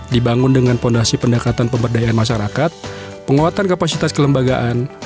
dibangun dengan fondasi pendekatan pemberdayaan masyarakat penguatan kapasitas kelembagaan